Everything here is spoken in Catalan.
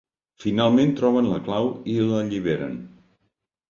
Finalment troben la clau i l'alliberen.